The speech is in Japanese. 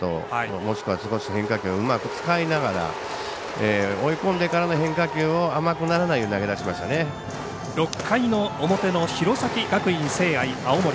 もしくは変化球をうまく使いながら追い込んでからの変化球を甘くならないように６回の表の弘前学院聖愛、青森。